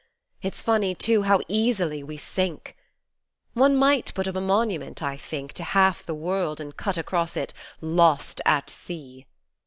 It's funny too, how easily we sink, One might put up a monument, I think To half the world and cut across it " Lost at Sea